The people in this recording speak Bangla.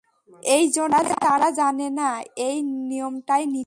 এই জন্যে তারা জানে না এই নিয়মটাই নীতি।